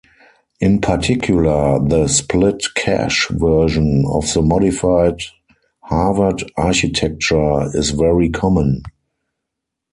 In particular, the "split cache" version of the modified Harvard architecture is very common.